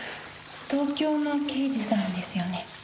東京の刑事さんですよね？